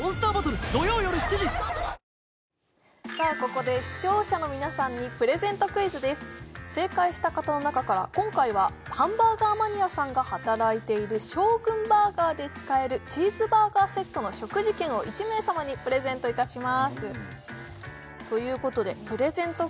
ここで視聴者の皆さんにプレゼントクイズです正解した方の中から今回はハンバーガーマニアさんが働いているＳＨＯＧＵＮＢＵＲＧＥＲで使えるチーズバーガーセットの食事券を１名様にプレゼントいたしますということでプレゼント